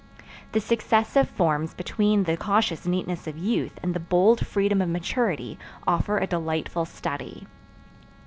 The successive forms between the cautious neatness of youth and the bold freedom of maturity offer a delightful study.